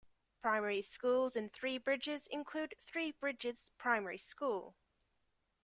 Primary schools in Three Bridges include Three Bridges Primary School.